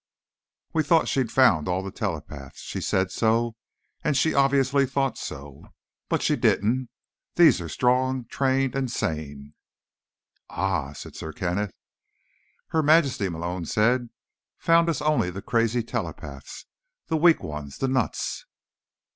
We thought she'd found all the telepaths. She said so, and she obviously thought so. But she didn't. These are strong, trained—and sane." "Aha," said Sir Kenneth. "Her Majesty," Malone said, "found us only the crazy telepaths, the weak ones, the nuts."